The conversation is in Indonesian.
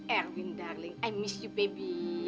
irwin darling i miss you baby